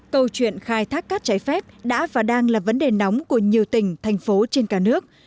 câu chuyện khai thác cát trái phép đã và đang là vấn đề nóng của nhiều tỉnh thành phố trên cả nước